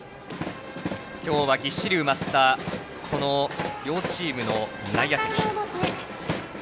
今日は、ぎっしり埋まった両チームの内野席。